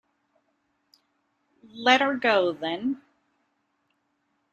Let her go, then.